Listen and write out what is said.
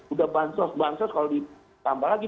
udah bansos bansos kalau ditambah lagi